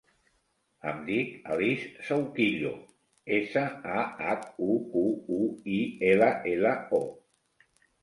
Em dic Alice Sahuquillo: essa, a, hac, u, cu, u, i, ela, ela, o.